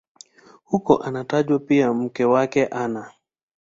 Humo anatajwa pia mke wake Ana.